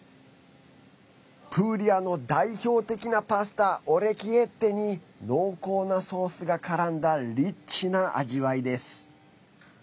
プーリアの代表的なパスタオレキエッテに濃厚なソースが絡んだリッチな味わいです。